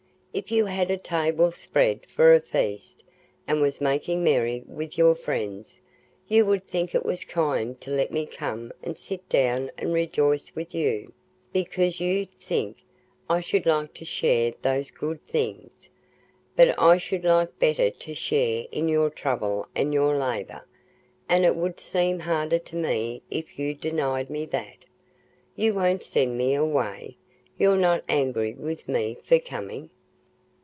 If you had a table spread for a feast, and was making merry with your friends, you would think it was kind to let me come and sit down and rejoice with you, because you'd think I should like to share those good things; but I should like better to share in your trouble and your labour, and it would seem harder to me if you denied me that. You won't send me away? You're not angry with me for coming?"